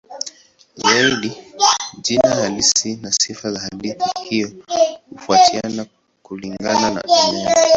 Zaidi jina halisi na sifa za hadithi hiyo hutofautiana kulingana na eneo.